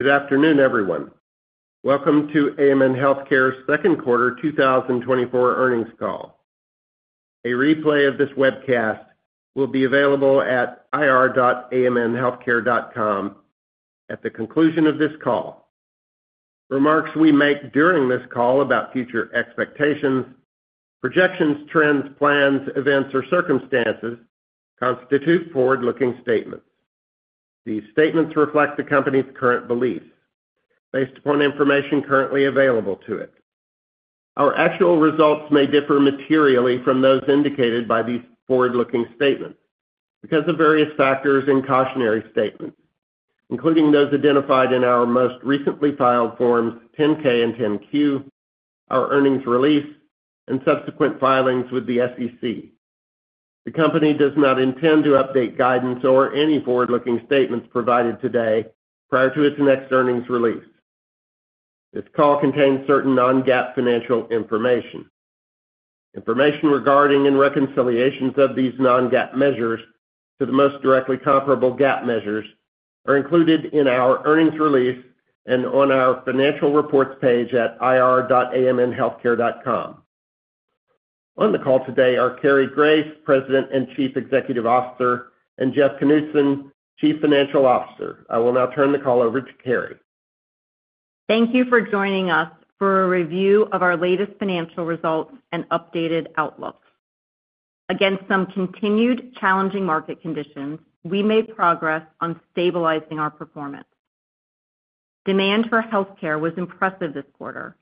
Good afternoon, everyone. Welcome to AMN Healthcare's second quarter 2024 earnings call. A replay of this webcast will be available at ir.amnhealthcare.com at the conclusion of this call. Remarks we make during this call about future expectations, projections, trends, plans, events, or circumstances constitute forward-looking statements. These statements reflect the company's current beliefs based upon information currently available to it. Our actual results may differ materially from those indicated by these forward-looking statements because of various factors and cautionary statements, including those identified in our most recently filed Forms 10-K and 10-Q, our earnings release, and subsequent filings with the SEC. The company does not intend to update guidance or any forward-looking statements provided today prior to its next earnings release. This call contains certain non-GAAP financial information. Information regarding and reconciliations of these non-GAAP measures to the most directly comparable GAAP measures are included in our earnings release and on our financial reports page at ir.amnhealthcare.com. On the call today are Cary Grace, President and Chief Executive Officer, and Jeff Knudson, Chief Financial Officer. I will now turn the call over to Cary. Thank you for joining us for a review of our latest financial results and updated outlook. Against some continued challenging market conditions, we made progress on stabilizing our performance. Demand for healthcare was impressive this quarter,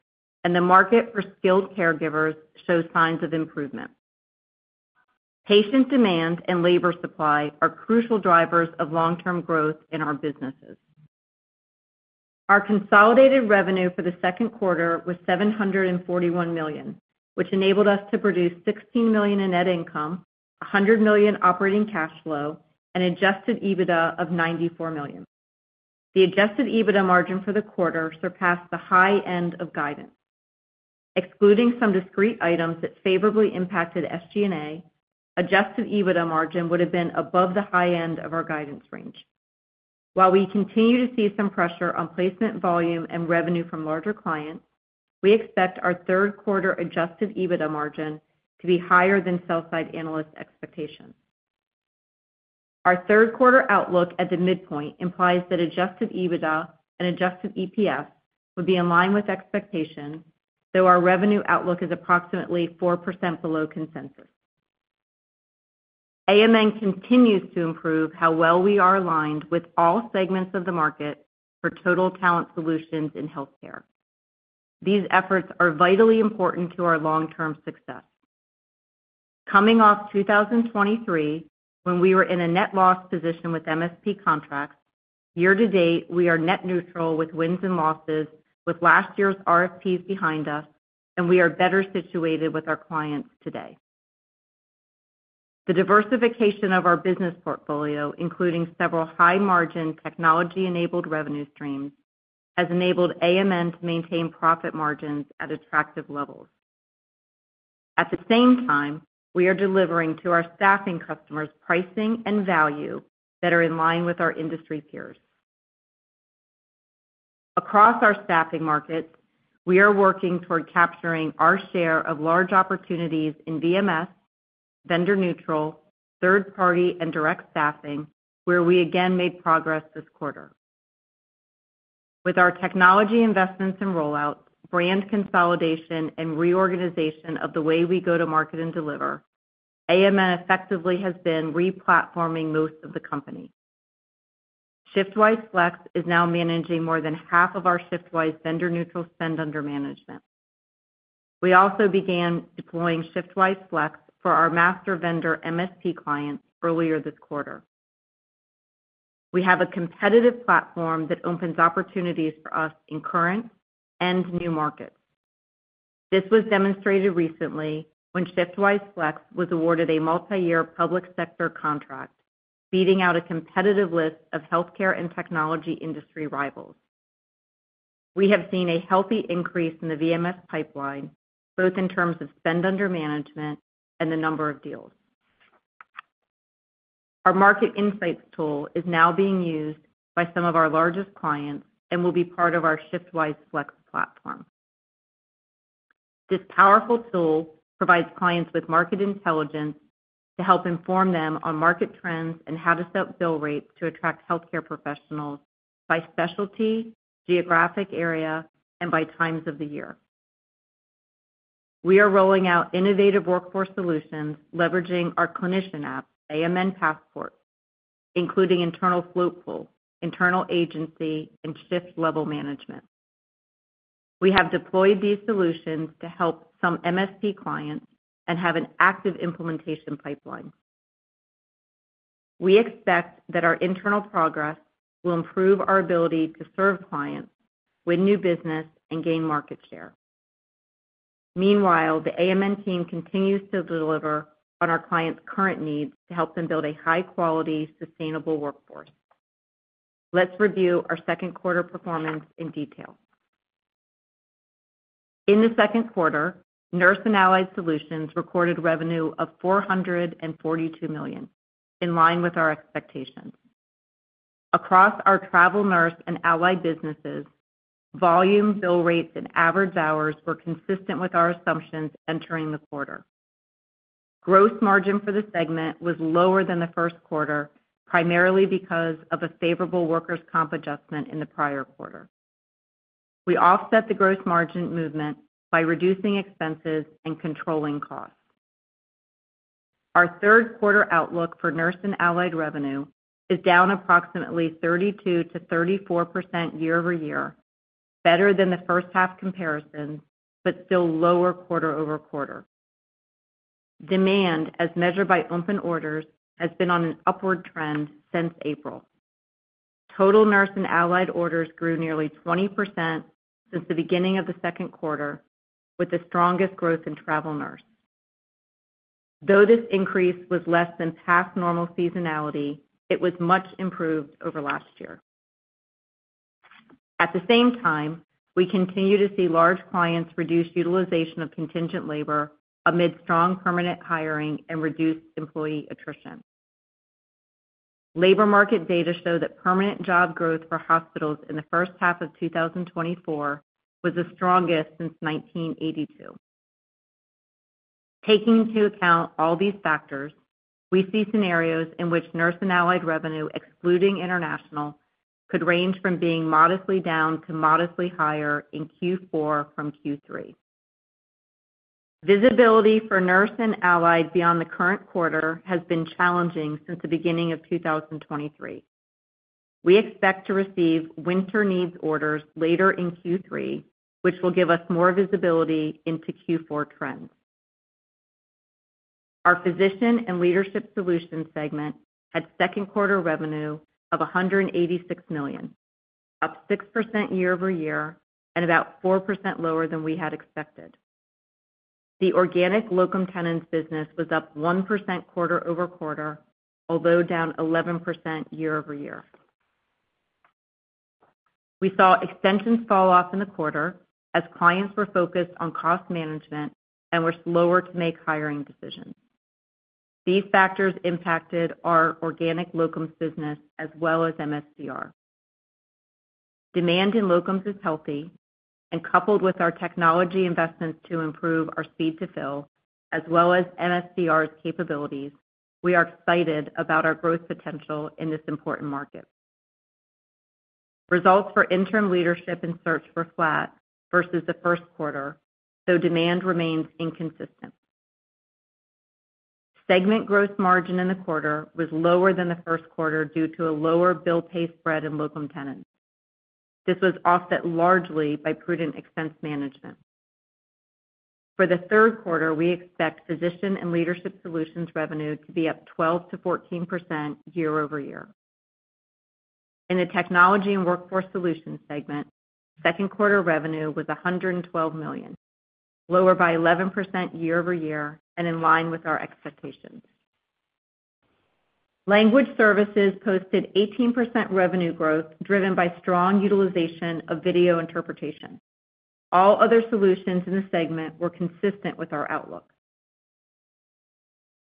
and the market for skilled caregivers shows signs of improvement. Patient demand and labor supply are crucial drivers of long-term growth in our businesses. Our consolidated revenue for the second quarter was $741 million, which enabled us to produce $16 million in net income, $100 million operating cash flow, and Adjusted EBITDA of $94 million. The Adjusted EBITDA margin for the quarter surpassed the high end of guidance. Excluding some discrete items that favorably impacted SG&A, Adjusted EBITDA margin would have been above the high end of our guidance range. While we continue to see some pressure on placement volume and revenue from larger clients, we expect our third quarter Adjusted EBITDA margin to be higher than sell-side analyst expectations. Our third quarter outlook at the midpoint implies that Adjusted EBITDA and adjusted EPS will be in line with expectations, though our revenue outlook is approximately 4% below consensus. AMN continues to improve how well we are aligned with all segments of the market for total talent solutions in healthcare. These efforts are vitally important to our long-term success. Coming off 2023, when we were in a net loss position with MSP contracts, year to date, we are net neutral with wins and losses, with last year's RFPs behind us, and we are better situated with our clients today. The diversification of our business portfolio, including several high-margin, technology-enabled revenue streams, has enabled AMN to maintain profit margins at attractive levels. At the same time, we are delivering to our staffing customers pricing and value that are in line with our industry peers. Across our staffing markets, we are working toward capturing our share of large opportunities in VMS, vendor-neutral, third-party, and direct staffing, where we again made progress this quarter. With our technology investments and rollouts, brand consolidation, and reorganization of the way we go to market and deliver, AMN effectively has been replatforming most of the company. ShiftWise Flex is now managing more than half of our ShiftWise vendor-neutral spend under management. We also began deploying ShiftWise Flex for our master vendor MSP clients earlier this quarter. We have a competitive platform that opens opportunities for us in current and new markets. This was demonstrated recently when ShiftWise Flex was awarded a multiyear public sector contract, beating out a competitive list of healthcare and technology industry rivals. We have seen a healthy increase in the VMS pipeline, both in terms of spend under management and the number of deals. Our Market Insights tool is now being used by some of our largest clients and will be part of our ShiftWise Flex platform. This powerful tool provides clients with market intelligence to help inform them on market trends and how to set bill rates to attract healthcare professionals by specialty, geographic area, and by times of the year. We are rolling out innovative workforce solutions, leveraging our clinician app, AMN Passport, including internal float pool, internal agency, and shift level management. We have deployed these solutions to help some MSP clients and have an active implementation pipeline. We expect that our internal progress will improve our ability to serve clients, win new business, and gain market share. Meanwhile, the AMN team continues to deliver on our clients' current needs to help them build a high-quality, sustainable workforce. Let's review our second quarter performance in detail. In the second quarter, Nurse and Allied Solutions recorded revenue of $442 million, in line with our expectations. Across our travel nurse and allied businesses, volume, bill rates, and average hours were consistent with our assumptions entering the quarter. Gross margin for the segment was lower than the first quarter, primarily because of a favorable workers' comp adjustment in the prior quarter. We offset the gross margin movement by reducing expenses and controlling costs. Our third quarter outlook for nurse and allied revenue is down approximately 32%-34% year-over-year, better than the first half comparison, but still lower quarter-over-quarter. Demand, as measured by open orders, has been on an upward trend since April. Total nurse and allied orders grew nearly 20% since the beginning of the second quarter, with the strongest growth in travel nurse. Though this increase was less than half normal seasonality, it was much improved over last year. At the same time, we continue to see large clients reduce utilization of contingent labor amid strong permanent hiring and reduced employee attrition. Labor market data show that permanent job growth for hospitals in the first half of 2024 was the strongest since 1982. Taking into account all these factors, we see scenarios in which Nurse and Allied revenue, excluding international, could range from being modestly down to modestly higher in Q4 from Q3. Visibility for Nurse and Allied beyond the current quarter has been challenging since the beginning of 2023. We expect to receive winter needs orders later in Q3, which will give us more visibility into Q4 trends. Our Physician and Leadership Solutions segment had second quarter revenue of $186 million, up 6% year-over-year, and about 4% lower than we had expected. The organic locum tenens business was up 1% quarter-over-quarter, although down 11% year-over-year. We saw extensions fall off in the quarter as clients were focused on cost management and were slower to make hiring decisions. These factors impacted our organic locums business as well as MSDR. Demand in locums is healthy, and coupled with our technology investments to improve our speed to fill, as well as MSDR's capabilities, we are excited about our growth potential in this important market. Results for interim leadership and search were flat versus the first quarter, so demand remains inconsistent. Segment gross margin in the quarter was lower than the first quarter due to a lower bill-pay spread in locum tenens. This was offset largely by prudent expense management. For the third quarter, we expect Physician and Leadership Solutions revenue to be up 12%-14% year-over-year. In the Technology and Workforce Solutions segment, second quarter revenue was $112 million, lower by 11% year-over-year, and in line with our expectations. Language Services posted 18% revenue growth, driven by strong utilization of video interpretation. All other solutions in the segment were consistent with our outlook.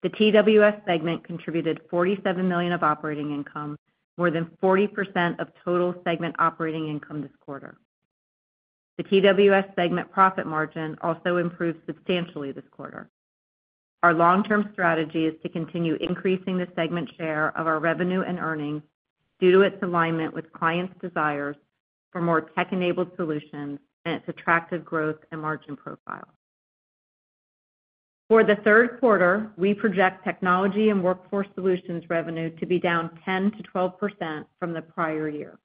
The TWS segment contributed $47 million of operating income, more than 40% of total segment operating income this quarter. The TWS segment profit margin also improved substantially this quarter. Our long-term strategy is to continue increasing the segment share of our revenue and earnings due to its alignment with clients' desires for more tech-enabled solutions and its attractive growth and margin profile. For the third quarter, we project Technology and Workforce Solutions revenue to be down 10%-12% from the prior year.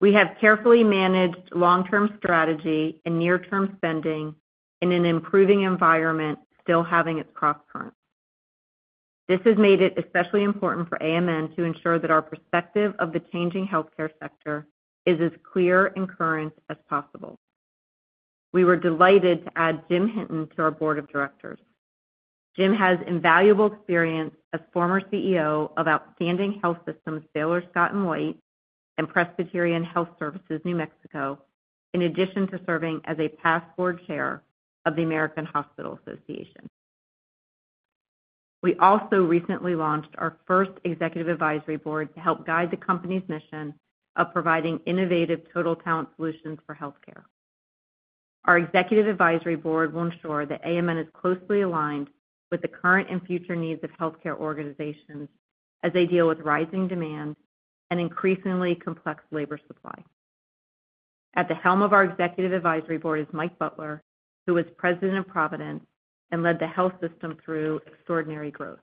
We have carefully managed long-term strategy and near-term spending in an improving environment, still having its cross current. This has made it especially important for AMN to ensure that our perspective of the changing healthcare sector is as clear and current as possible. We were delighted to add Jim Hinton to our board of directors. Jim has invaluable experience as former CEO of outstanding health systems, Baylor Scott & White and Presbyterian Healthcare Services, New Mexico, in addition to serving as a past board chair of the American Hospital Association. We also recently launched our first executive advisory board to help guide the company's mission of providing innovative total talent solutions for healthcare. Our executive advisory board will ensure that AMN is closely aligned with the current and future needs of healthcare organizations as they deal with rising demand and increasingly complex labor supply. At the helm of our executive advisory board is Mike Butler, who is President of Providence and led the health system through extraordinary growth.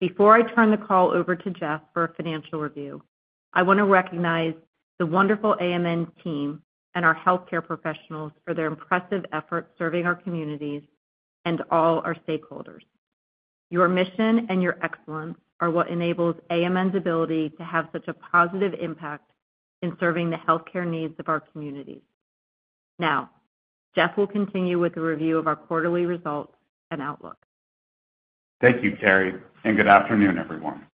Before I turn the call over to Jeff for a financial review, I want to recognize the wonderful AMN team and our healthcare professionals for their impressive efforts serving our communities and all our stakeholders. Your mission and your excellence are what enables AMN's ability to have such a positive impact in serving the healthcare needs of our communities. Now, Jeff will continue with a review of our quarterly results and outlook. Thank you, Cary, and good afternoon, everyone.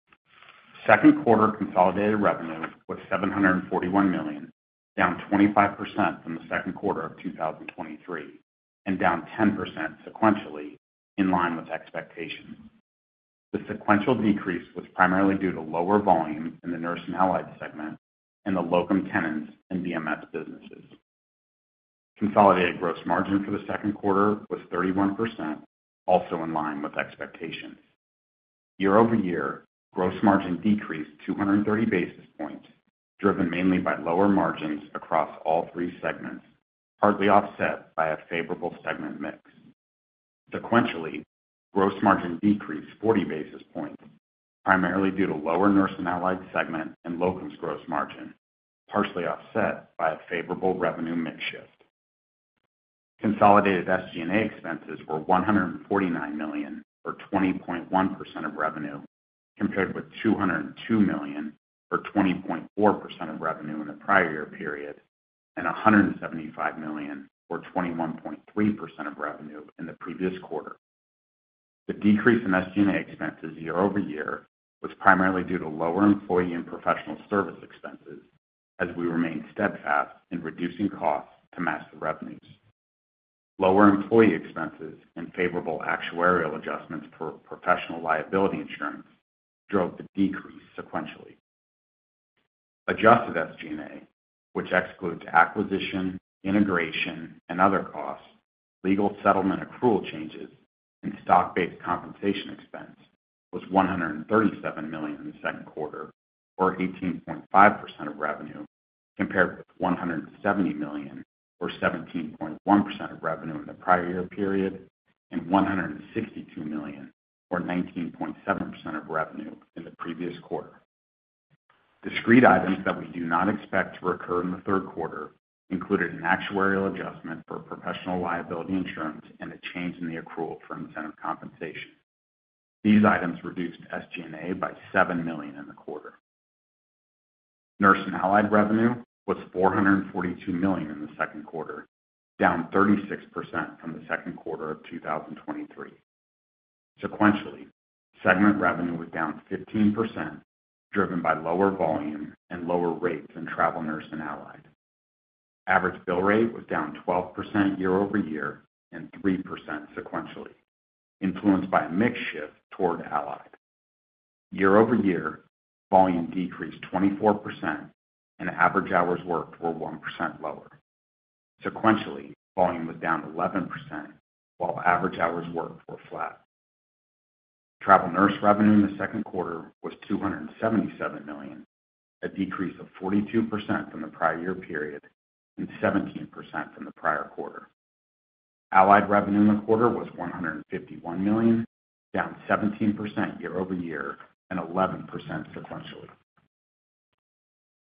Second quarter consolidated revenue was $741 million, down 25% from the second quarter of 2023, and down 10% sequentially, in line with expectations. The sequential decrease was primarily due to lower volume in the Nurse and Allied segment and the Locum Tenens and VMS businesses. Consolidated gross margin for the second quarter was 31%, also in line with expectations. Year-over-year, gross margin decreased 230 basis points, driven mainly by lower margins across all three segments, partly offset by a favorable segment mix. Sequentially, gross margin decreased 40 basis points, primarily due to lower Nurse and Allied segment and Locums gross margin, partially offset by a favorable revenue mix shift. Consolidated SG&A expenses were $149 million, or 20.1% of revenue, compared with $202 million or 20.4% of revenue in the prior year period, and $175 million or 21.3% of revenue in the previous quarter. The decrease in SG&A expenses year-over-year was primarily due to lower employee and professional service expenses, as we remain steadfast in reducing costs to match the revenues. Lower employee expenses and favorable actuarial adjustments for professional liability insurance drove the decrease sequentially. Adjusted SG&A, which excludes acquisition, integration and other costs, legal settlement, accrual changes, and stock-based compensation expense, was $137 million in the second quarter, or 18.5% of revenue, compared with $170 million, or 17.1% of revenue in the prior year period, and $162 million, or 19.7% of revenue in the previous quarter. Discrete items that we do not expect to recur in the third quarter included an actuarial adjustment for professional liability insurance and a change in the accrual for incentive compensation. These items reduced SG&A by $7 million in the quarter. Nurse and Allied revenue was $442 million in the second quarter, down 36% from the second quarter of 2023. Sequentially, segment revenue was down 15%, driven by lower volume and lower rates in Travel Nurse and Allied. Average bill rate was down 12% year-over-year and 3% sequentially, influenced by a mix shift toward Allied. Year-over-year, volume decreased 24% and average hours worked were 1% lower. Sequentially, volume was down 11%, while average hours worked were flat. Travel nurse revenue in the second quarter was $277 million, a decrease of 42% from the prior year period and 17% from the prior quarter. Allied revenue in the quarter was $151 million, down 17% year-over-year and 11% sequentially.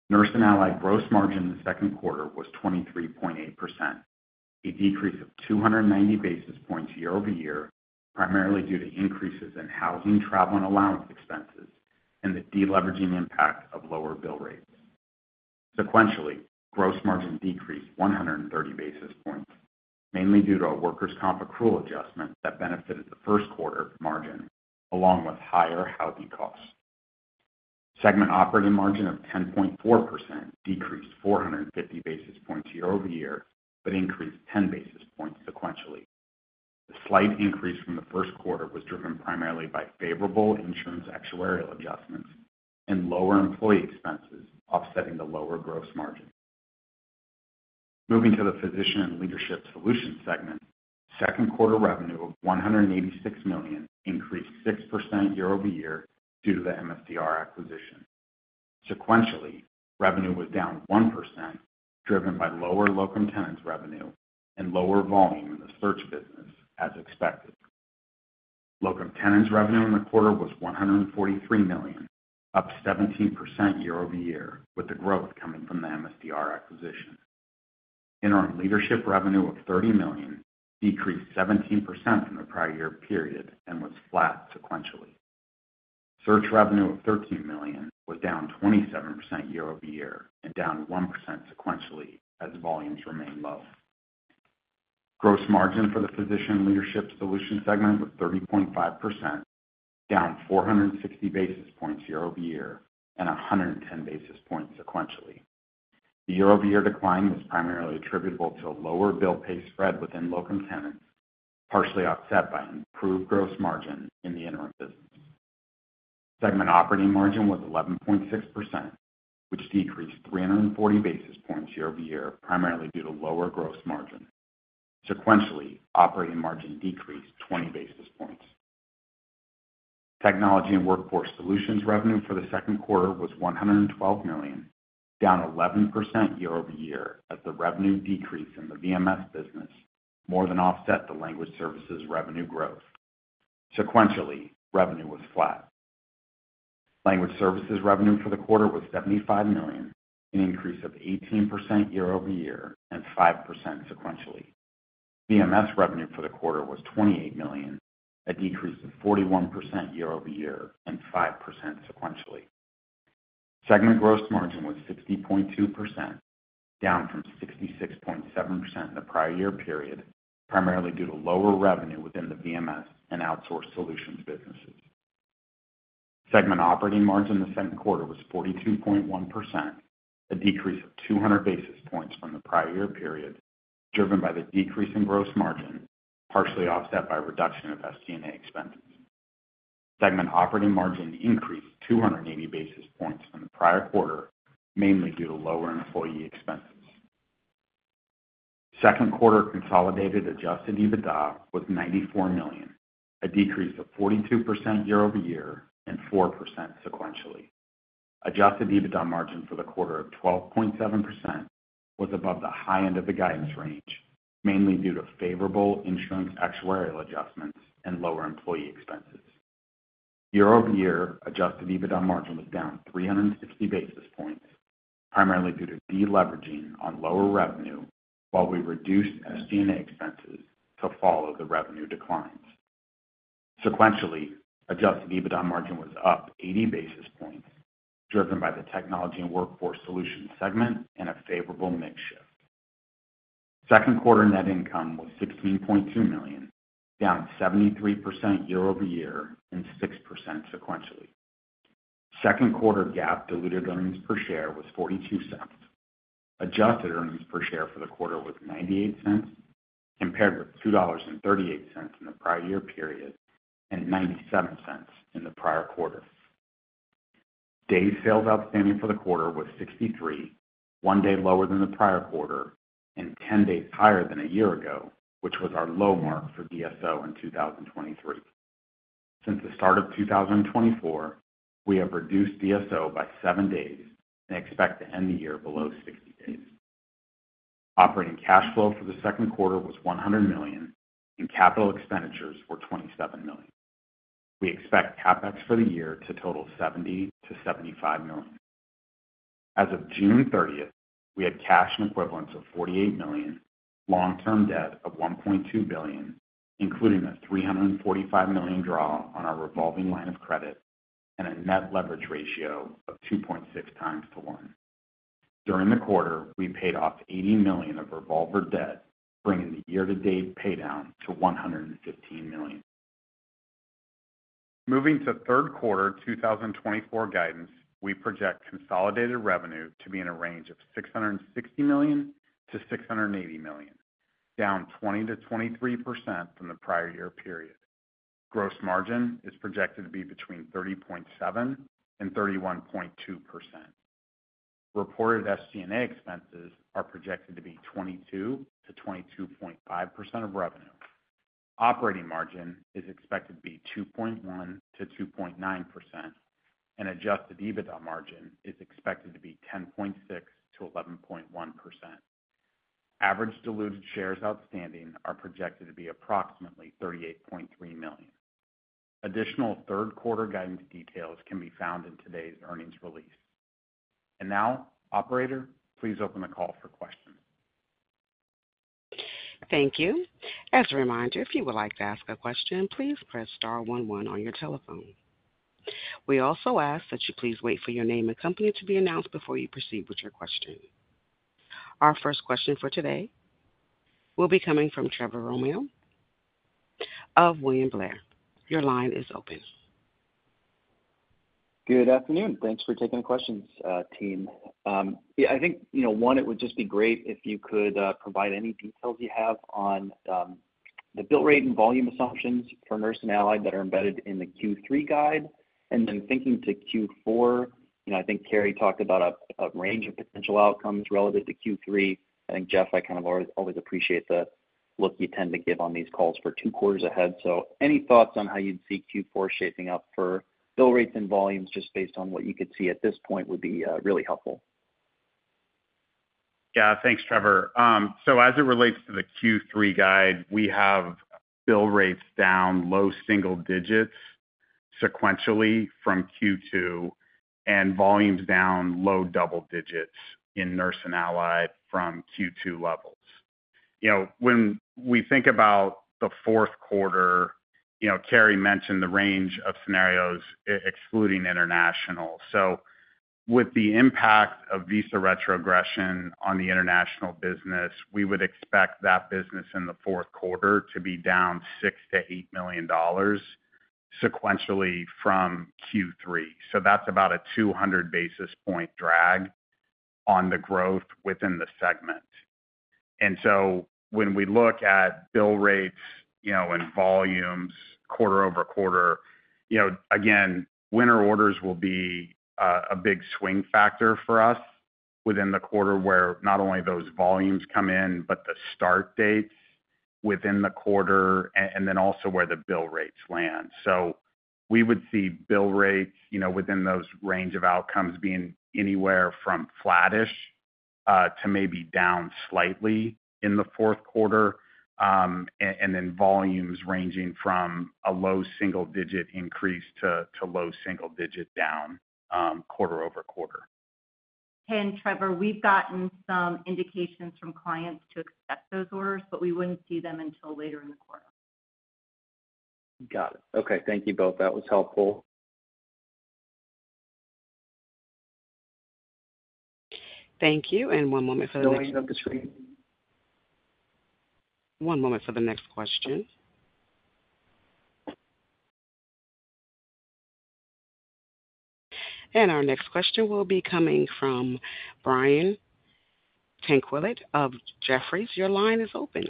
Nurse and Allied gross margin in the second quarter was 23.8%, a decrease of 290 basis points year-over-year, primarily due to increases in housing, travel, and allowance expenses and the deleveraging impact of lower bill rates. Sequentially, gross margin decreased 130 basis points, mainly due to a workers' comp accrual adjustment that benefited the first quarter margin, along with higher housing costs. Segment operating margin of 10.4% decreased 450 basis points year-over-year, but increased 10 basis points sequentially. The slight increase from the first quarter was driven primarily by favorable insurance, actuarial adjustments, and lower employee expenses offsetting the lower gross margin. Moving to the Physician Leadership Solutions segment, second quarter revenue of $186 million increased 6% year-over-year due to the MSDR acquisition. Sequentially, revenue was down 1%, driven by lower Locum Tenens revenue and lower volume in the search business as expected. Locum Tenens revenue in the quarter was $143 million, up 17% year-over-year, with the growth coming from the MSDR acquisition. Interim leadership revenue of $30 million decreased 17% from the prior year period and was flat sequentially. Search revenue of $13 million was down 27% year-over-year and down 1% sequentially as volumes remain low. Gross margin for the Physician and Leadership Solutions segment was 30.5%, down 460 basis points year-over-year and 110 basis points sequentially. The year-over-year decline was primarily attributable to a lower bill-pay spread within Locum Tenens, partially offset by an improved gross margin in the interim business. Segment operating margin was 11.6%, which decreased 340 basis points year-over-year, primarily due to lower gross margin. Sequentially, operating margin decreased 20 basis points. Technology and Workforce Solutions revenue for the second quarter was $112 million, down 11% year-over-year, as the revenue decrease in the VMS business more than offset the Language Services revenue growth. Sequentially, revenue was flat. Language Services revenue for the quarter was $75 million, an increase of 18% year-over-year and 5% sequentially. VMS revenue for the quarter was $28 million, a decrease of 41% year-over-year and 5% sequentially.... Segment gross margin was 60.2%, down from 66.7% in the prior year period, primarily due to lower revenue within the VMS and outsourced solutions businesses. Segment operating margin in the second quarter was 42.1%, a decrease of 200 basis points from the prior year period, driven by the decrease in gross margin, partially offset by reduction of SG&A expenses. Segment operating margin increased 280 basis points from the prior quarter, mainly due to lower employee expenses. Second quarter consolidated adjusted EBITDA was $94 million, a decrease of 42% year-over-year and 4% sequentially. Adjusted EBITDA margin for the quarter of 12.7% was above the high end of the guidance range, mainly due to favorable insurance actuarial adjustments and lower employee expenses. Year-over-year, adjusted EBITDA margin was down 360 basis points, primarily due to deleveraging on lower revenue, while we reduced SG&A expenses to follow the revenue declines. Sequentially, Adjusted EBITDA margin was up 80 basis points, driven by the Technology and Workforce Solutions segment and a favorable mix shift. Second quarter net income was $16.2 million, down 73% year-over-year and 6% sequentially. Second quarter GAAP diluted earnings per share was $0.42. Adjusted earnings per share for the quarter was $0.98, compared with $2.38 in the prior year period, and $0.97 in the prior quarter. Days Sales Outstanding for the quarter was 63, 1 day lower than the prior quarter and 10 days higher than a year ago, which was our low mark for DSO in 2023. Since the start of 2024, we have reduced DSO by 7 days and expect to end the year below 60 days. Operating cash flow for the second quarter was $100 million, and capital expenditures were $27 million. We expect CapEx for the year to total $70-$75 million. As of June thirtieth, we had cash and equivalents of $48 million, long-term debt of $1.2 billion, including a $345 million draw on our revolving line of credit and a net leverage ratio of 2.6x to 1. During the quarter, we paid off $80 million of revolver debt, bringing the year-to-date pay down to $115 million. Moving to third quarter 2024 guidance, we project consolidated revenue to be in a range of $660 million-$680 million, down 20%-23% from the prior year period. Gross margin is projected to be between 30.7% and 31.2%. Reported SG&A expenses are projected to be 22%-22.5% of revenue. Operating margin is expected to be 2.1%-2.9%, and adjusted EBITDA margin is expected to be 10.6%-11.1%. Average diluted shares outstanding are projected to be approximately 38.3 million. Additional third-quarter guidance details can be found in today's earnings release. And now, operator, please open the call for questions. Thank you. As a reminder, if you would like to ask a question, please press star one one on your telephone. We also ask that you please wait for your name and company to be announced before you proceed with your question. Our first question for today will be coming from Trevor Romeo of William Blair. Your line is open. Good afternoon. Thanks for taking the questions, team. Yeah, I think, you know, one, it would just be great if you could provide any details you have on the bill rate and volume assumptions for Nurse and Allied that are embedded in the Q3 guide. Then thinking to Q4, you know, I think Cary talked about a range of potential outcomes relative to Q3. I think, Jeff, I kind of always appreciate the look you tend to give on these calls for two quarters ahead. So any thoughts on how you'd see Q4 shaping up for bill rates and volumes, just based on what you could see at this point, would be really helpful. Yeah. Thanks, Trevor. So as it relates to the Q3 guide, we have bill rates down low single digits sequentially from Q2, and volumes down low double digits in Nurse and Allied from Q2 levels. You know, when we think about the fourth quarter, you know, Cary mentioned the range of scenarios excluding international. So with the impact of visa retrogression on the international business, we would expect that business in the fourth quarter to be down $6 million-$8 million sequentially from Q3. So that's about a 200 basis point drag on the growth within the segment. And so when we look at bill rates, you know, and volumes quarter-over-quarter, you know, again, winter orders will be a big swing factor for us within the quarter, where not only those volumes come in, but the start dates within the quarter, and then also where the bill rates land. So we would see bill rates, you know, within those range of outcomes being anywhere from flattish to maybe down slightly in the fourth quarter, and then volumes ranging from a low single digit increase to low single digit down, quarter-over-quarter. Trevor, we've gotten some indications from clients to accept those orders, but we wouldn't see them until later in the quarter.... Got it. Okay, thank you both. That was helpful. Thank you, one moment for the next question. Our next question will be coming from Brian Tanquilut of Jefferies. Your line is open.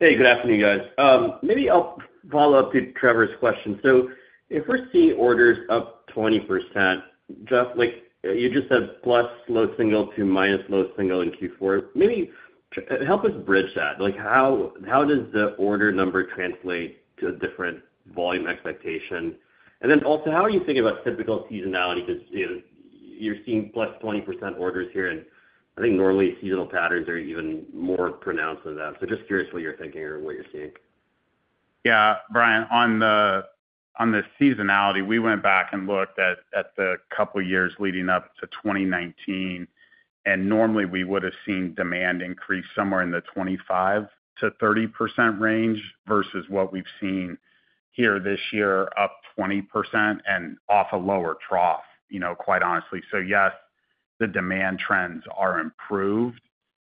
Hey, good afternoon, guys. Maybe I'll follow up to Trevor's question. So if we're seeing orders up 20%, Jeff, like you just said, plus low single to minus low single in Q4, maybe help us bridge that. Like, how does the order number translate to a different volume expectation? And then also, how are you thinking about typical seasonality? Because, you know, you're seeing plus 20% orders here, and I think normally seasonal patterns are even more pronounced than that. So just curious what you're thinking or what you're seeing. Yeah, Brian, on the seasonality, we went back and looked at the couple of years leading up to 2019, and normally we would have seen demand increase somewhere in the 25%-30% range versus what we've seen here this year, up 20% and off a lower trough, you know, quite honestly. So yes, the demand trends are improved,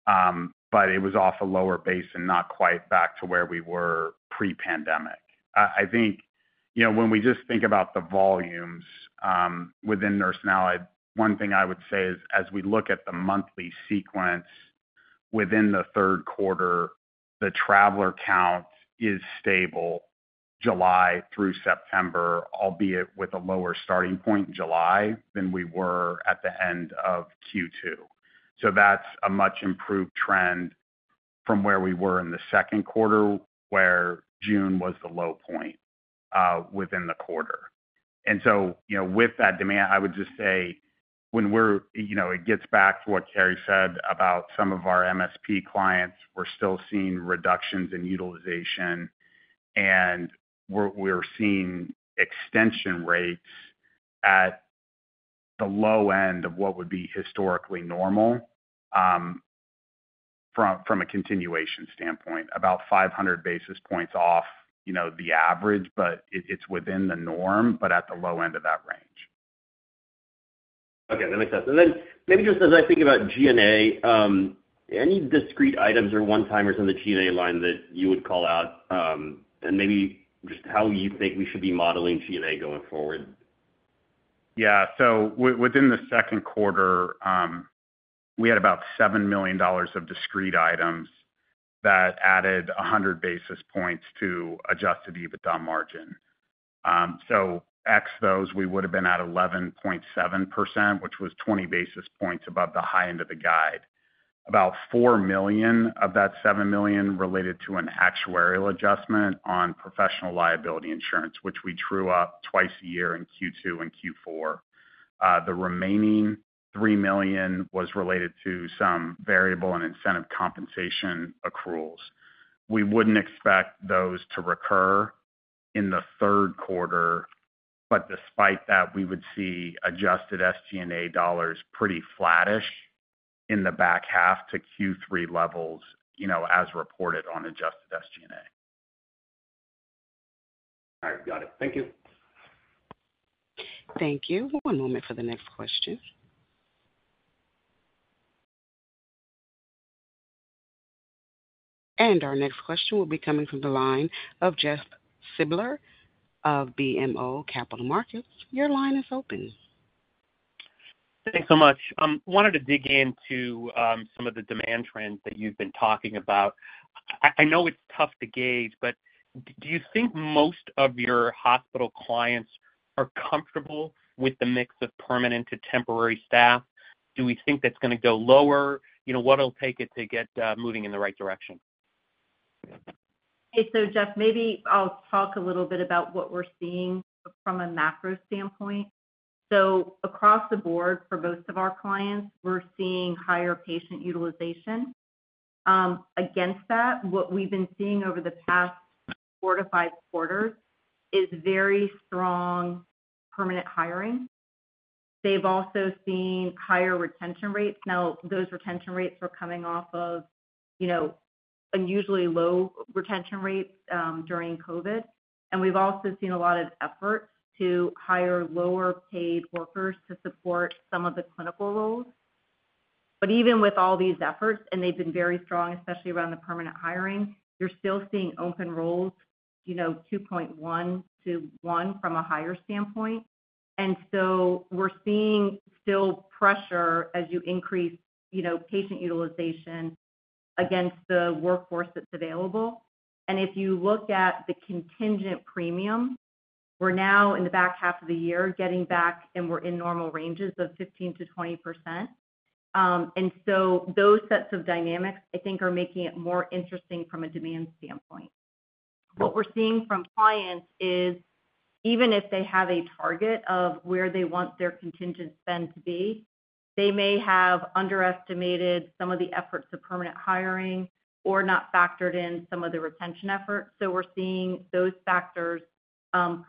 but it was off a lower base and not quite back to where we were pre-pandemic. I think, you know, when we just think about the volumes, within Nurse and Allied, I—one thing I would say is as we look at the monthly sequence within the third quarter, the traveler count is stable July through September, albeit with a lower starting point in July than we were at the end of Q2. So that's a much improved trend from where we were in the second quarter, where June was the low point within the quarter. And so, you know, with that demand, I would just say when we're. You know, it gets back to what Cary said about some of our MSP clients. We're still seeing reductions in utilization, and we're seeing extension rates at the low end of what would be historically normal, from a continuation standpoint, about 500 basis points off, you know, the average, but it's within the norm, but at the low end of that range. Okay, that makes sense. And then maybe just as I think about GNA, any discrete items or one-timers in the GNA line that you would call out, and maybe just how you think we should be modeling GNA going forward? Yeah. So within the second quarter, we had about $7 million of discrete items that added 100 basis points to Adjusted EBITDA margin. So ex those, we would have been at 11.7%, which was 20 basis points above the high end of the guide. About $4 million of that $7 million related to an actuarial adjustment on professional liability insurance, which we true up twice a year in Q2 and Q4. The remaining $3 million was related to some variable and incentive compensation accruals. We wouldn't expect those to recur in the third quarter, but despite that, we would see adjusted SG&A dollars pretty flattish in the back half to Q3 levels, you know, as reported on adjusted SG&A. All right, got it. Thank you. Thank you. One moment for the next question. Our next question will be coming from the line of Jeff Silber of BMO Capital Markets. Your line is open. Thanks so much. Wanted to dig into some of the demand trends that you've been talking about. I know it's tough to gauge, but do you think most of your hospital clients are comfortable with the mix of permanent to temporary staff? Do we think that's gonna go lower? You know, what it'll take it to get moving in the right direction? Hey, so Jeff, maybe I'll talk a little bit about what we're seeing from a macro standpoint. So across the board, for most of our clients, we're seeing higher patient utilization. Against that, what we've been seeing over the past 4-5 quarters is very strong permanent hiring. They've also seen higher retention rates. Now, those retention rates are coming off of, you know, unusually low retention rates during COVID, and we've also seen a lot of effort to hire lower paid workers to support some of the clinical roles. But even with all these efforts, and they've been very strong, especially around the permanent hiring, you're still seeing open roles, you know, 2.1 to 1 from a higher standpoint. And so we're seeing still pressure as you increase, you know, patient utilization against the workforce that's available. If you look at the contingent premium, we're now in the back half of the year, getting back, and we're in normal ranges of 15%-20%. And so those sets of dynamics, I think, are making it more interesting from a demand standpoint. What we're seeing from clients is, even if they have a target of where they want their contingent spend to be, they may have underestimated some of the efforts of permanent hiring or not factored in some of the retention efforts. So we're seeing those factors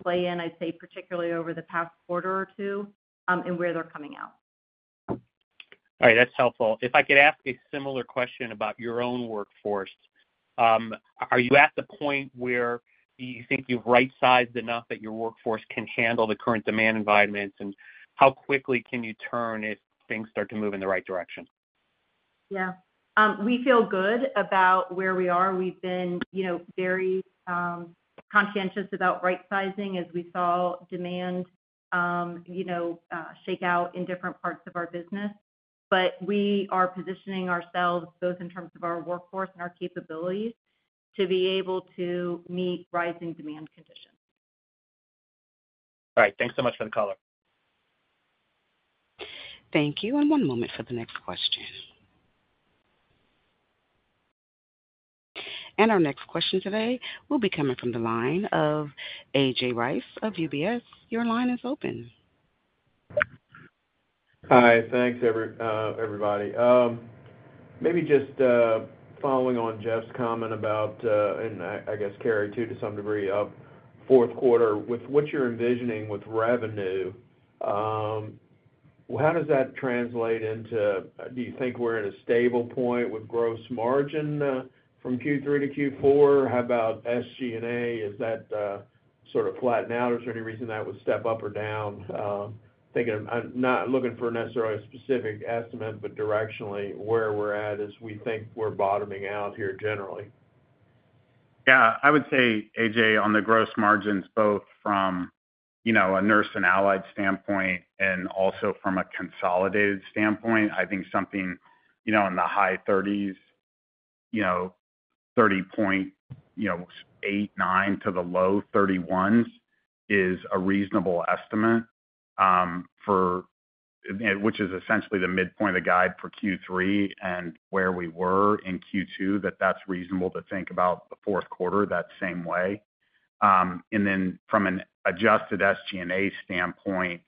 play in, I'd say, particularly over the past quarter or two, in where they're coming out.... All right, that's helpful. If I could ask a similar question about your own workforce, are you at the point where you think you've right-sized enough that your workforce can handle the current demand environment? And how quickly can you turn if things start to move in the right direction? Yeah. We feel good about where we are. We've been, you know, very conscientious about right sizing as we saw demand, you know, shake out in different parts of our business. But we are positioning ourselves, both in terms of our workforce and our capabilities, to be able to meet rising demand conditions. All right. Thanks so much for the call. Thank you, and one moment for the next question. Our next question today will be coming from the line of A.J. Rice of UBS. Your line is open. Hi. Thanks, everybody. Maybe just following on Jeff's comment about, and I guess Cary, too, to some degree, of fourth quarter. With what you're envisioning with revenue, how does that translate into, do you think we're at a stable point with gross margin from Q3 to Q4? How about SG&A? Is that sort of flattening out, or is there any reason that would step up or down? Thinking I'm not looking for necessarily a specific estimate, but directionally, where we're at as we think we're bottoming out here generally. Yeah. I would say, AJ, on the gross margins, both from, you know, a nurse and allied standpoint and also from a consolidated standpoint, I think something, you know, in the high thirties, you know, 30.8-30.9% to the low 31s is a reasonable estimate for which is essentially the midpoint of the guide for Q3 and where we were in Q2, that that's reasonable to think about the fourth quarter that same way. And then from an adjusted SG&A standpoint,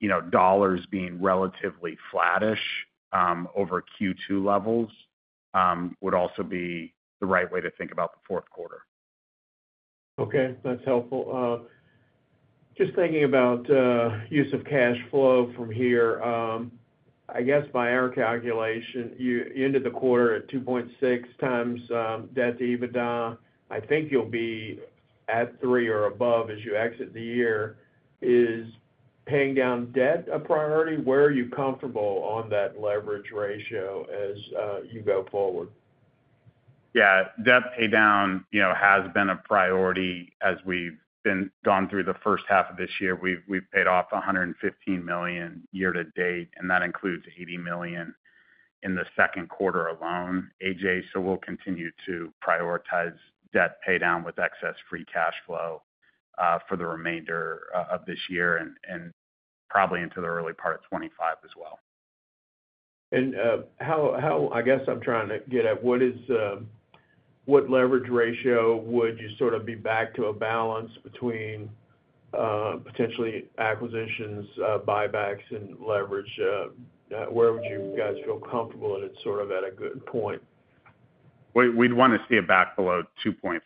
you know, dollars being relatively flattish over Q2 levels would also be the right way to think about the fourth quarter. Okay, that's helpful. Just thinking about use of cash flow from here. I guess by our calculation, you ended the quarter at 2.6 times debt to EBITDA. I think you'll be at 3 or above as you exit the year. Is paying down debt a priority? Where are you comfortable on that leverage ratio as you go forward? Yeah. Debt paydown, you know, has been a priority as we've gone through the first half of this year. We've paid off $115 million year to date, and that includes $80 million in the second quarter alone, AJ. So we'll continue to prioritize debt paydown with excess free cash flow for the remainder of this year and probably into the early part of 2025 as well. How... I guess I'm trying to get at, what is, what leverage ratio would you sort of be back to a balance between, potentially acquisitions, buybacks and leverage? Where would you guys feel comfortable, and it's sort of at a good point? We'd want to see it back below 2.5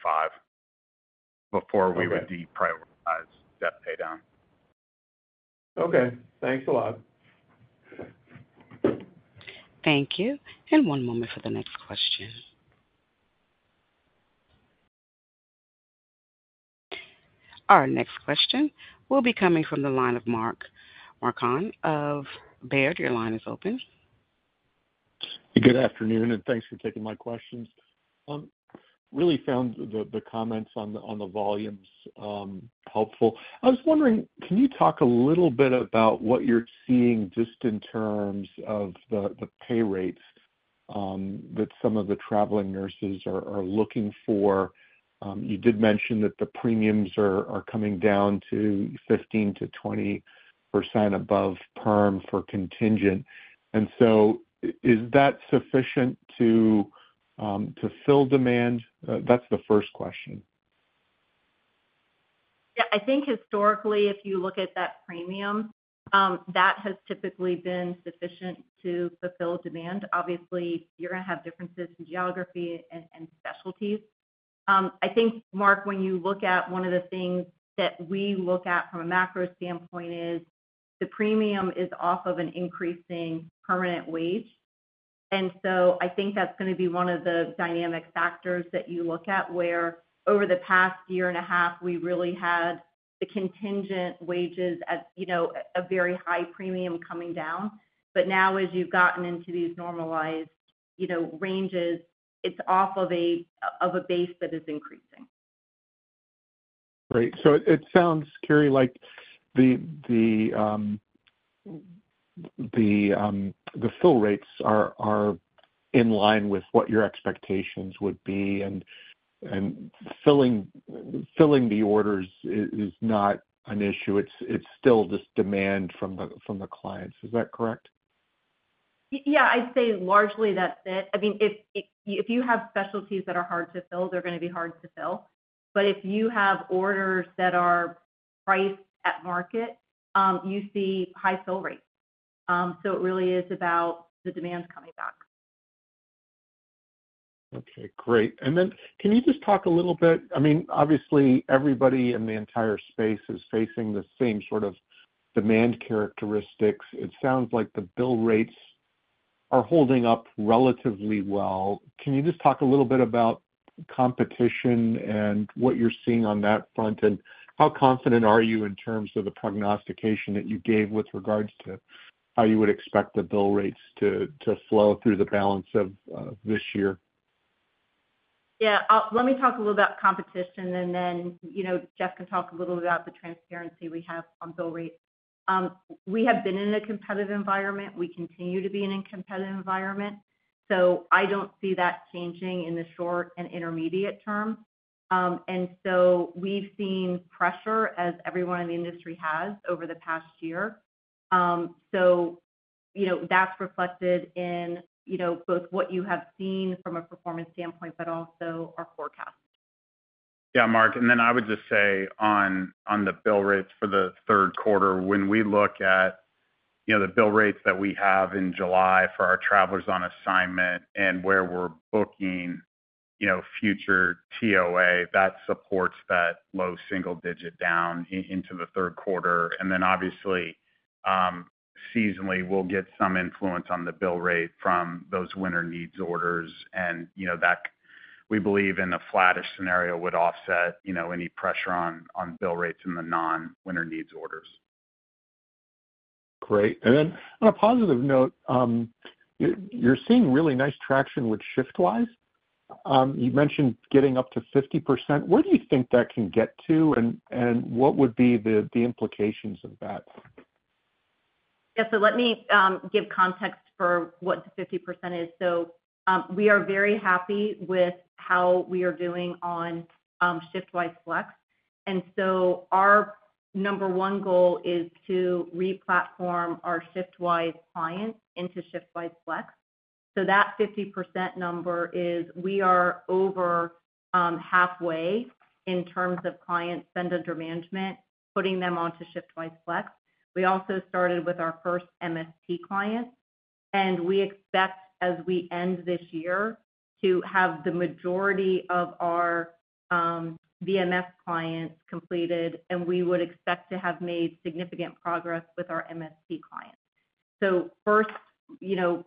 before- Okay. We would deprioritize debt paydown. Okay, thanks a lot. Thank you, and one moment for the next question. Our next question will be coming from the line of Mark Marcon of Baird. Your line is open. Good afternoon, and thanks for taking my questions. Really found the comments on the volumes helpful. I was wondering, can you talk a little bit about what you're seeing just in terms of the pay rates that some of the traveling nurses are looking for? You did mention that the premiums are coming down to 15%-20% above perm for contingent, and so is that sufficient to fill demand? That's the first question. Yeah. I think historically, if you look at that premium, that has typically been sufficient to fulfill demand. Obviously, you're going to have differences in geography and, and specialties. I think, Mark, when you look at one of the things that we look at from a macro standpoint is the premium is off of an increasing permanent wage. And so I think that's going to be one of the dynamic factors that you look at, where over the past year and a half, we really had the contingent wages at, you know, a very high premium coming down. But now, as you've gotten into these normalized, you know, ranges, it's off of a, of a base that is increasing. Great. So it sounds, Cary, like the fill rates are in line with what your expectations would be, and filling the orders is not an issue. It's still just demand from the clients. Is that correct? Yeah, I'd say largely that's it. I mean, if you have specialties that are hard to fill, they're going to be hard to fill. But if you have orders that are priced at market, you see high fill rates. So it really is about the demands coming back. Okay, great. And then can you just talk a little bit—I mean, obviously, everybody in the entire space is facing the same sort of demand characteristics. It sounds like the bill rates are holding up relatively well. Can you just talk a little bit about competition and what you're seeing on that front? And how confident are you in terms of the prognostication that you gave with regards to how you would expect the bill rates to flow through the balance of this year? Yeah, let me talk a little about competition, and then, you know, Jeff can talk a little about the transparency we have on bill rate. We have been in a competitive environment. We continue to be in a competitive environment, so I don't see that changing in the short and intermediate term. And so we've seen pressure, as everyone in the industry has, over the past year. So you know, that's reflected in, you know, both what you have seen from a performance standpoint, but also our forecast. Yeah, Mark, and then I would just say on the bill rates for the third quarter, when we look at, you know, the bill rates that we have in July for our travelers on assignment and where we're booking, you know, future TOA, that supports that low single digit down into the third quarter. And then obviously, seasonally, we'll get some influence on the bill rate from those winter needs orders. And, you know, that, we believe in a flattish scenario, would offset, you know, any pressure on bill rates in the non-winter needs orders. Great. And then on a positive note, you're seeing really nice traction with ShiftWise. You mentioned getting up to 50%. Where do you think that can get to? And what would be the implications of that? Yeah, so let me give context for what the 50% is. So, we are very happy with how we are doing on ShiftWise Flex. And so our number one goal is to re-platform our ShiftWise clients into ShiftWise Flex. So that 50% number is we are over halfway in terms of clients spend under management, putting them onto ShiftWise Flex. We also started with our first MSP clients, and we expect, as we end this year, to have the majority of our VMS clients completed, and we would expect to have made significant progress with our MSP clients. So first, you know,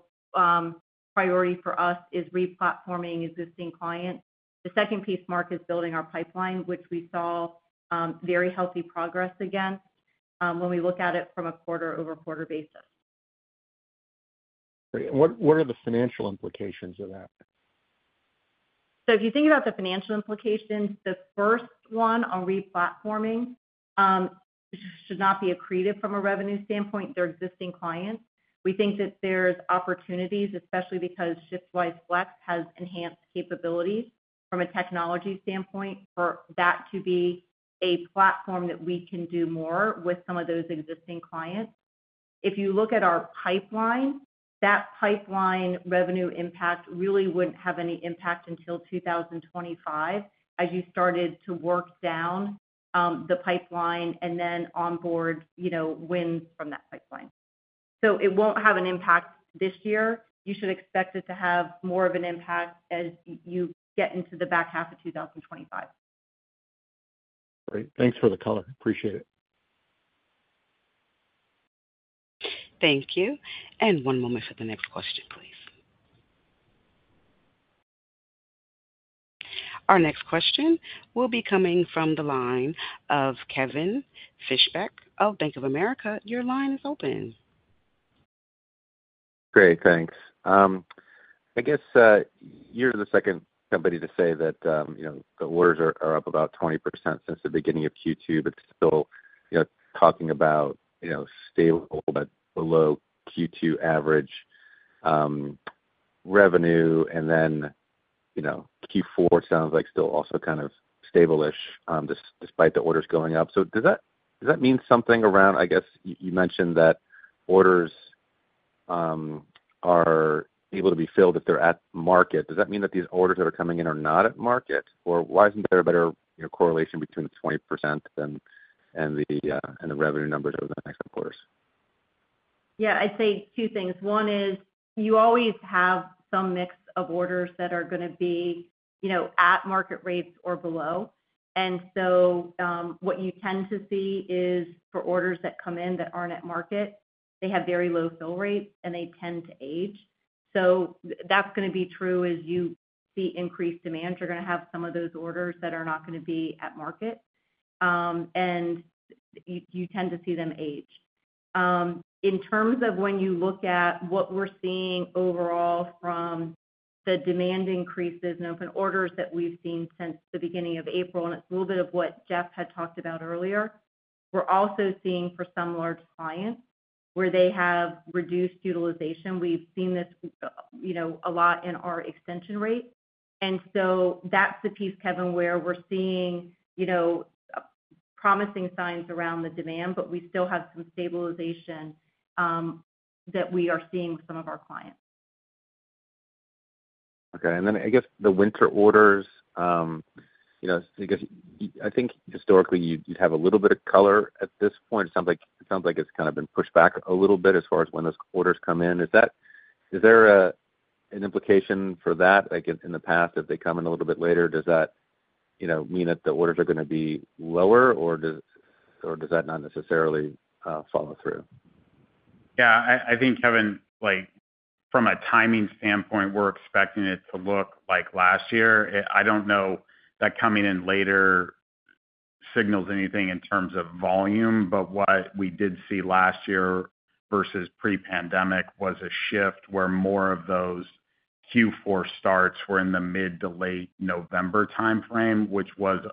priority for us is re-platforming existing clients. The second piece, Mark, is building our pipeline, which we saw very healthy progress against, when we look at it from a quarter-over-quarter basis. Great. And what, what are the financial implications of that? So if you think about the financial implications, the first one on re-platforming should not be accretive from a revenue standpoint. They're existing clients. We think that there's opportunities, especially because ShiftWise Flex has enhanced capabilities from a technology standpoint, for that to be a platform that we can do more with some of those existing clients. If you look at our pipeline, that pipeline revenue impact really wouldn't have any impact until 2025, as you started to work down the pipeline and then onboard, you know, wins from that pipeline. So it won't have an impact this year. You should expect it to have more of an impact as you get into the back half of 2025. Great. Thanks for the color. Appreciate it. Thank you. One moment for the next question, please. Our next question will be coming from the line of Kevin Fischbeck of Bank of America. Your line is open. Great, thanks. I guess, you're the second company to say that, you know, the orders are up about 20% since the beginning of Q2, but still, you know, talking about, you know, stable but below Q2 average revenue. And then, you know, Q4 sounds like still also kind of stable-ish, despite the orders going up. So does that mean something around, I guess, you mentioned that orders are able to be filled if they're at market. Does that mean that these orders that are coming in are not at market? Or why isn't there a better, you know, correlation between the 20% and the revenue numbers over the next couple of quarters? Yeah, I'd say two things. One is you always have some mix of orders that are gonna be, you know, at market rates or below. And so, what you tend to see is for orders that come in that aren't at market, they have very low fill rates, and they tend to age. So that's gonna be true as you see increased demand. You're gonna have some of those orders that are not gonna be at market, and you, you tend to see them age. In terms of when you look at what we're seeing overall from the demand increases and open orders that we've seen since the beginning of April, and it's a little bit of what Jeff had talked about earlier, we're also seeing for some large clients, where they have reduced utilization. We've seen this, you know, a lot in our extension rate. That's the piece, Kevin, where we're seeing, you know, promising signs around the demand, but we still have some stabilization that we are seeing with some of our clients. Okay. And then I guess the winter orders. You know, I guess I think historically, you'd have a little bit of color at this point. It sounds like it's kind of been pushed back a little bit as far as when those orders come in. Is there an implication for that, like in the past, if they come in a little bit later, does that, you know, mean that the orders are gonna be lower, or does that not necessarily follow through? Yeah, I think, Kevin, like, from a timing standpoint, we're expecting it to look like last year. I don't know that coming in later signals anything in terms of volume, but what we did see last year versus pre-pandemic was a shift where more of those Q4 starts were in the mid- to late-November timeframe, which was,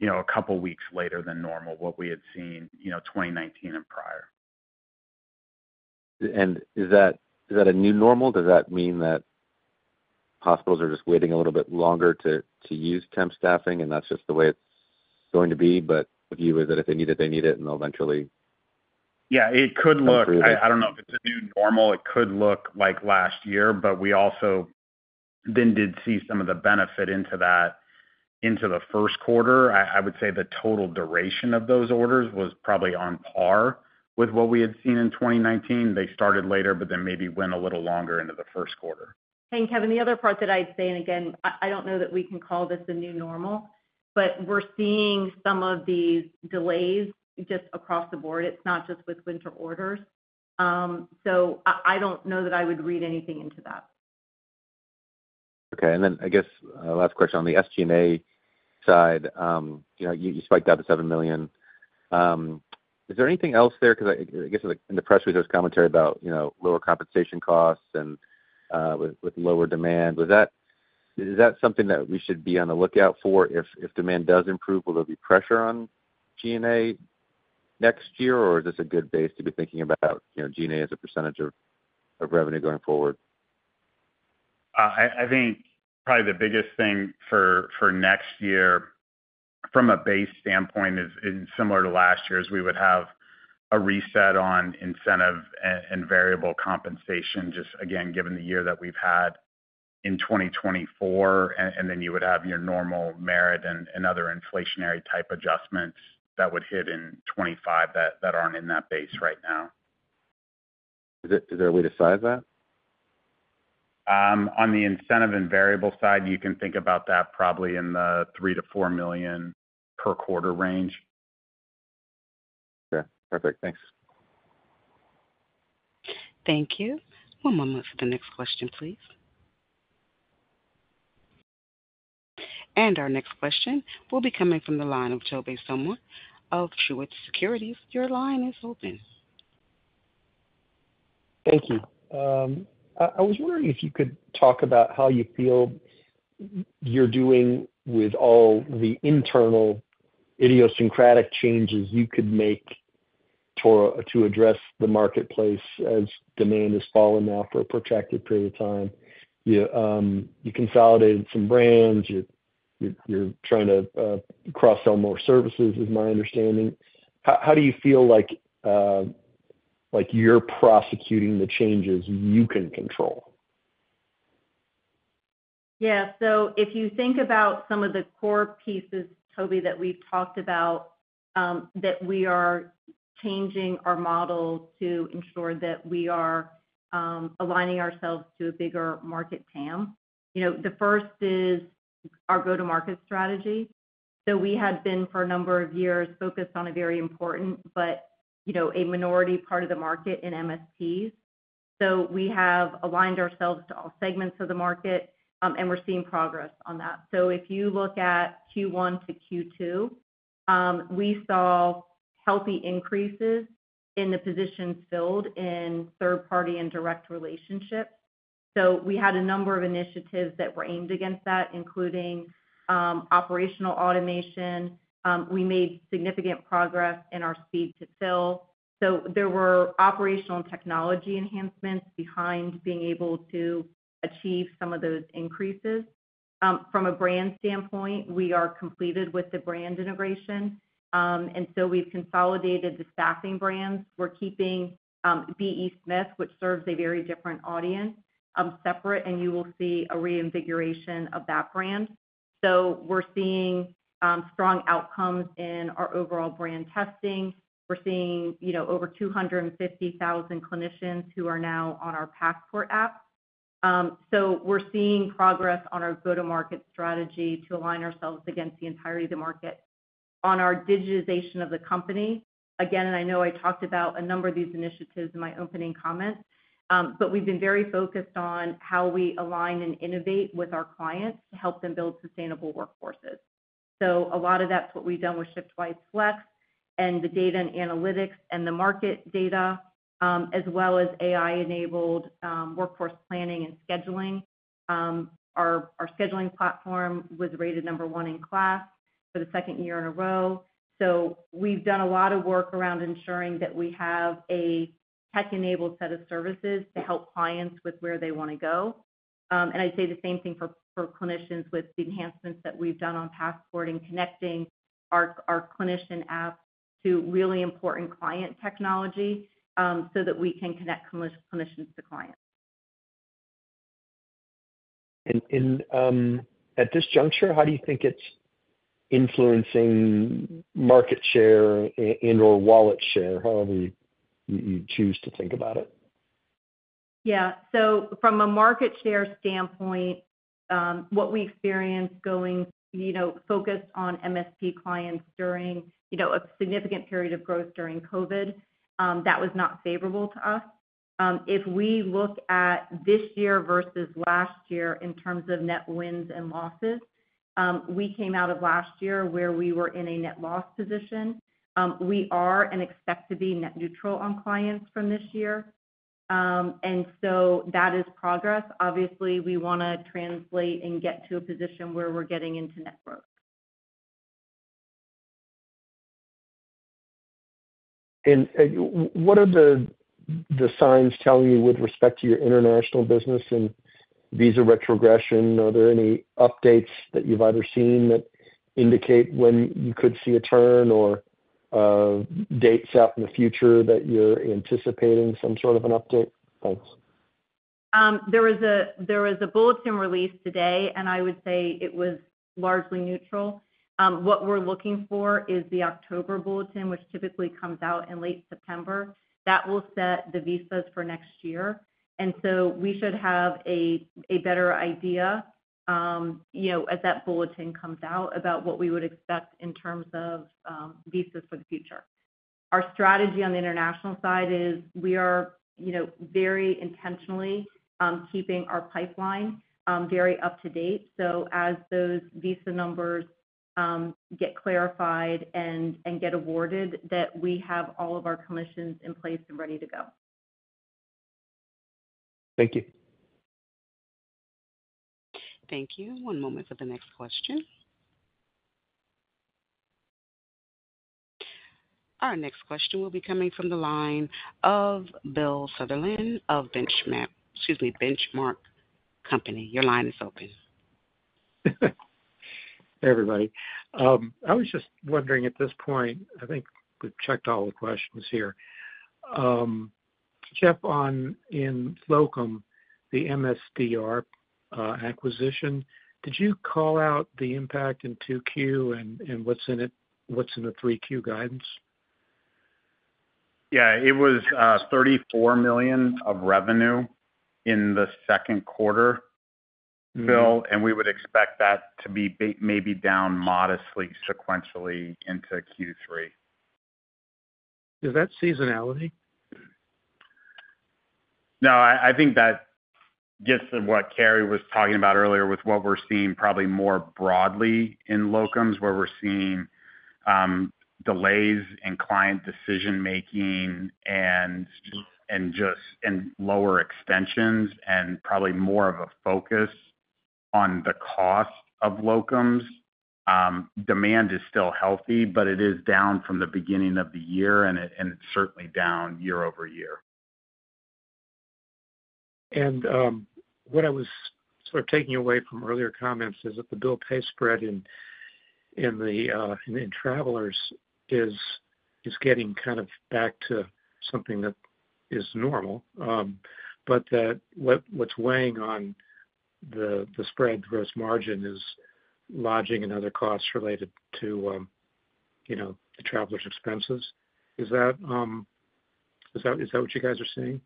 you know, a couple of weeks later than normal, what we had seen, you know, 2019 and prior. Is that, is that a new normal? Does that mean that hospitals are just waiting a little bit longer to, to use temp staffing, and that's just the way it's going to be, but the view is that if they need it, they need it, and they'll eventually- Yeah, it could look- Come through. I don't know if it's a new normal. It could look like last year, but we also then did see some of the benefit into the first quarter. I would say the total duration of those orders was probably on par with what we had seen in 2019. They started later, but then maybe went a little longer into the first quarter. Kevin, the other part that I'd say, and again, I don't know that we can call this the new normal, but we're seeing some of these delays just across the board. It's not just with winter orders. So I don't know that I would read anything into that. Okay, and then I guess, last question on the SG&A side, you know, you, you spiked out to $7 million. Is there anything else there? Because I, I guess in the press release, there was commentary about, you know, lower compensation costs and, with, with lower demand. Was that-- is that something that we should be on the lookout for? If, if demand does improve, will there be pressure on G&A next year, or is this a good base to be thinking about, you know, G&A as a percentage of, of revenue going forward? I think probably the biggest thing for next year, from a base standpoint, is similar to last year, is we would have a reset on incentive and variable compensation, just again, given the year that we've had in 2024, and then you would have your normal merit and other inflationary type adjustments that would hit in 2025 that aren't in that base right now. Is it, is there a way to size that? On the incentive and variable side, you can think about that probably in the $3 million-$4 million per quarter range. Okay, perfect. Thanks. Thank you. One moment for the next question, please. Our next question will be coming from the line of Tobey Sommer of Truist Securities. Your line is open. Thank you. I was wondering if you could talk about how you feel you're doing with all the internal idiosyncratic changes you could make to address the marketplace as demand has fallen now for a protracted period of time. You consolidated some brands, you're trying to cross-sell more services, is my understanding. How do you feel like you're prosecuting the changes you can control? Yeah, so if you think about some of the core pieces, Tobey, that we've talked about, that we are changing our model to ensure that we are aligning ourselves to a bigger market TAM. You know, the first is our go-to-market strategy. So we had been, for a number of years, focused on a very important but, you know, a minority part of the market in MSPs. So we have aligned ourselves to all segments of the market, and we're seeing progress on that. So if you look at Q1 to Q2, we saw healthy increases in the positions filled in third-party and direct relationships. So we had a number of initiatives that were aimed against that, including operational automation. We made significant progress in our speed to fill. So there were operational and technology enhancements behind being able to achieve some of those increases. From a brand standpoint, we are completed with the brand integration, and so we've consolidated the staffing brands. We're keeping B.E. Smith, which serves a very different audience, separate, and you will see a reinvigoration of that brand. So we're seeing strong outcomes in our overall brand testing. We're seeing, you know, over 250,000 clinicians who are now on our Passport app. So we're seeing progress on our go-to-market strategy to align ourselves against the entirety of the market. On our digitization of the company, again, and I know I talked about a number of these initiatives in my opening comments, but we've been very focused on how we align and innovate with our clients to help them build sustainable workforces. A lot of that's what we've done with ShiftWise Flex and the data and analytics and the market data, as well as AI-enabled workforce planning and scheduling. Our scheduling platform was rated number one in class for the second year in a row. We've done a lot of work around ensuring that we have a tech-enabled set of services to help clients with where they wanna go. I'd say the same thing for clinicians with the enhancements that we've done on Passport and connecting our clinician apps to really important client technology, so that we can connect clinicians to clients.... And at this juncture, how do you think it's influencing market share and/or wallet share? However you choose to think about it. Yeah. So from a market share standpoint, what we experienced going, you know, focused on MSP clients during, you know, a significant period of growth during COVID, that was not favorable to us. If we look at this year versus last year in terms of net wins and losses, we came out of last year where we were in a net loss position. We are and expect to be net neutral on clients from this year. And so that is progress. Obviously, we wanna translate and get to a position where we're getting into net growth. What are the signs telling you with respect to your international business and visa retrogression? Are there any updates that you've either seen that indicate when you could see a turn or dates out in the future that you're anticipating some sort of an update? Thanks. There was a bulletin released today, and I would say it was largely neutral. What we're looking for is the October bulletin, which typically comes out in late September. That will set the visas for next year, and so we should have a better idea, you know, as that bulletin comes out, about what we would expect in terms of, visas for the future. Our strategy on the international side is we are, you know, very intentionally, keeping our pipeline, very up to date. So as those visa numbers, get clarified and get awarded, that we have all of our commissions in place and ready to go. Thank you. Thank you. One moment for the next question. Our next question will be coming from the line of Bill Sutherland of Benchmark, excuse me, Benchmark Company. Your line is open. Hey, everybody. I was just wondering, at this point, I think we've checked all the questions here. Jeff, on in locum, the MSDR acquisition, did you call out the impact in 2Q and, and what's in it, what's in the 3Q guidance? Yeah, it was $34 million of revenue in the second quarter, Bill. Mm-hmm. We would expect that to be maybe down modestly sequentially into Q3. Is that seasonality? No, I, I think that gets to what Cary was talking about earlier with what we're seeing probably more broadly in locums, where we're seeing delays in client decision making and just lower extensions and probably more of a focus on the cost of locums. Demand is still healthy, but it is down from the beginning of the year, and it's certainly down year over year. What I was sort of taking away from earlier comments is that the bill-pay spread in the travelers is getting kind of back to something that is normal, but what's weighing on the spread gross margin is lodging and other costs related to, you know, the traveler's expenses. Is that what you guys are seeing?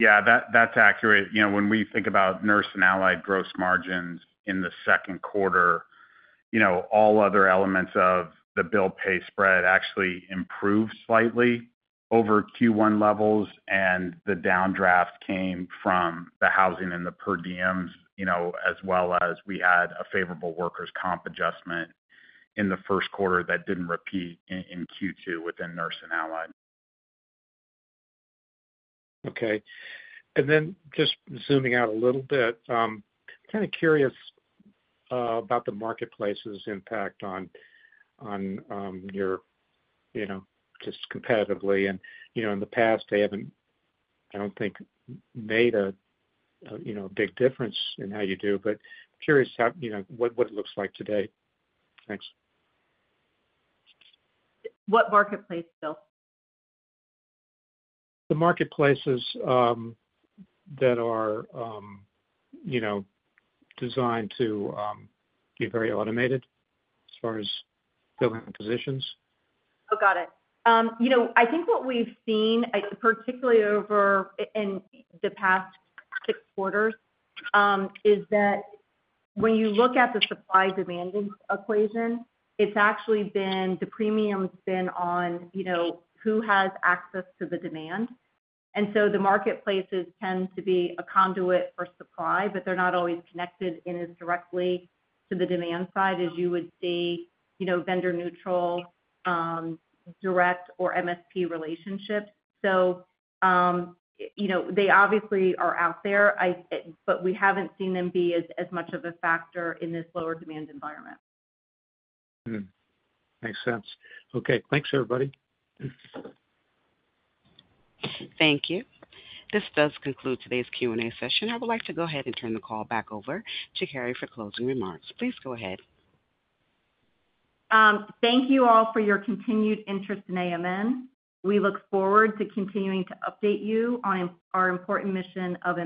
Yeah, that, that's accurate. You know, when we think about nurse and allied gross margins in the second quarter, you know, all other elements of the bill pay spread actually improved slightly over Q1 levels, and the downdraft came from the housing and the per diems, you know, as well as we had a favorable workers' comp adjustment in the first quarter that didn't repeat in Q2 within nurse and allied. Okay. And then just zooming out a little bit, kind of curious about the marketplace's impact on your, you know, just competitively and, you know, in the past, they haven't, I don't think, made a you know, big difference in how you do, but curious how, you know, what it looks like today. Thanks. What marketplace, Bill? The marketplaces that are, you know, designed to be very automated as far as filling positions. Oh, got it. You know, I think what we've seen, particularly over in the past 6 quarters, is that when you look at the supply-demand equation, it's actually been the premium's been on, you know, who has access to the demand. And so the marketplaces tend to be a conduit for supply, but they're not always connected in as directly to the demand side as you would see, you know, vendor-neutral direct or MSP relationships. So, you know, they obviously are out there, but we haven't seen them be as much of a factor in this lower demand environment. Hmm, makes sense. Okay. Thanks, everybody. Thank you. This does conclude today's Q&A session. I would like to go ahead and turn the call back over to Cary for closing remarks. Please go ahead. Thank you all for your continued interest in AMN. We look forward to continuing to update you on our important mission of